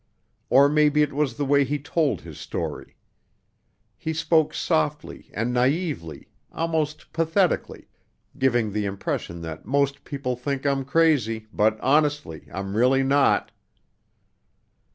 Or maybe it was the way he told his story. He spoke softly and naively, almost pathetically, giving the impression that "most people think I'm crazy, but honestly, I'm really not."